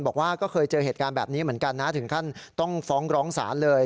บอกว่าก็เคยเจอเหตุการณ์แบบนี้เหมือนกันนะถึงขั้นต้องฟ้องร้องศาลเลย